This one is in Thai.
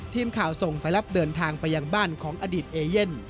ทีมข่าวส่งสายลับเดินทางไปยังบ้านของอดีตเอเย่น